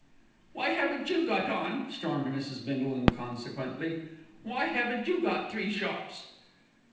"Why haven't you got on?" stormed Mrs. Bindle inconsequently. "Why haven't you got three shops?"